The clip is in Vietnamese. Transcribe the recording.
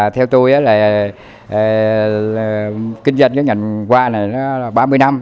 theo tôi kinh doanh với nhành hoa này là ba mươi năm